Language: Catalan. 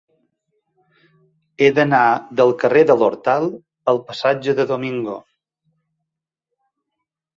He d'anar del carrer de l'Hortal al passatge de Domingo.